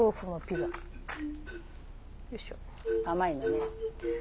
甘いのね。